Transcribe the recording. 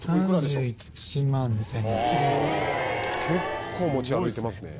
結構持ち歩いてますね。